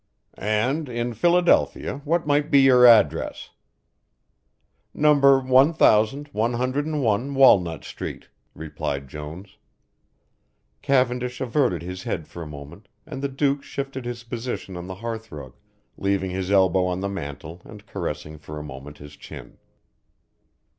"And in Philadelphia what might be your address?" "Number one thousand, one hundred and one, Walnut Street," replied Jones. Cavendish averted his head for a moment and the Duke shifted his position on the hearthrug, leaving his elbow on the mantel and caressing for a moment his chin.